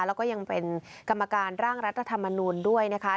แล้วก็ยังเป็นกรรมการร่างรัฐธรรมนูลด้วยนะคะ